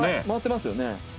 回ってますよね。